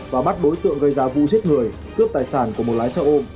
và bắt đối tượng gây ra vụ giết người cướp tài sản của một lái xe ôm